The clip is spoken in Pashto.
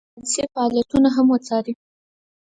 فرانسې فعالیتونه هم وڅاري.